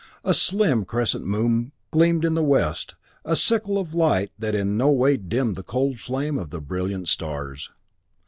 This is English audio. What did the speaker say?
A slim crescent of moon gleamed in the west, a sickle of light that in no way dimmed the cold flame of the brilliant stars.